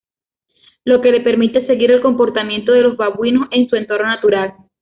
Lo que le permite seguir el comportamiento de los babuinos en su entorno natural.